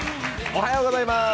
おはようございます。